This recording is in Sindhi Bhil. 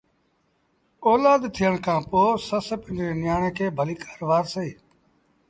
اوآد ٿيڻ کآݩ پو سس پنڊري نيٚآڻي کي ڀليٚڪآر وآرسي